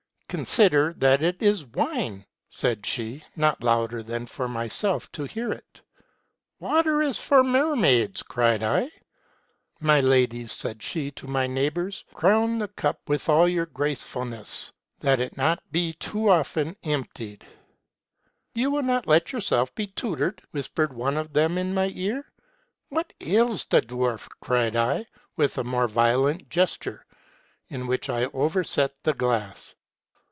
' Consider that it is wine !' said she, not louder than for myself to hear it. ' Water is for mermaids !' cried I. ' My ladies,' said she to my neighbors, ' crown the cup with all your gracefulness, that it be not too often emptied.' ŌĆö * You will not let yourself be tutored ?' whispered one of them in my ear. ' What ails the dwarf ?' cried I, with a more violent gesture, in which I overset the glass.